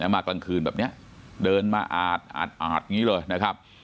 มากลางคืนแบบนี้เดินมาอาดอย่างนี้เลยนะครับ